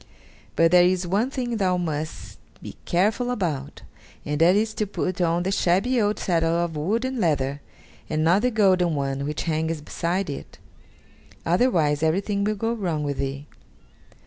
But there is one thing thou must be careful about, and that is to put on the shabby old saddle of wood and leather, and not the golden one which hangs beside it otherwise everything will go wrong with thee."